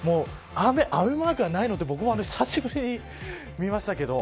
雨マークがないのって僕も久しぶりに見ましたけど。